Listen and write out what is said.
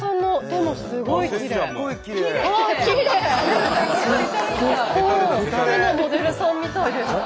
手タレのモデルさんみたいで。